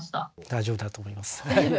大丈夫だと思います。